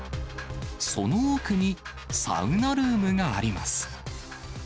その奥にサウナルームがあります。